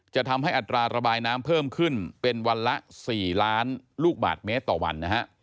จะทำให้อัตราระบายน้ำเพิ่มขึ้นเป็นวันละ๔ล้านลูกบาทเมตรต่อวันนะฮะ